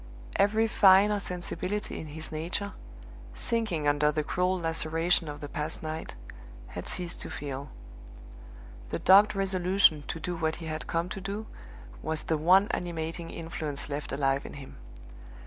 Every finer sensibility in his nature, sinking under the cruel laceration of the past night, had ceased to feel. The dogged resolution to do what he had come to do was the one animating influence left alive in him.